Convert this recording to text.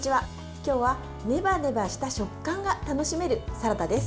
今日はネバネバした食感が楽しめるサラダです。